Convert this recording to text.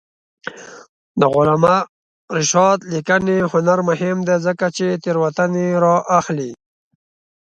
د علامه رشاد لیکنی هنر مهم دی ځکه چې تېروتنې رااخلي.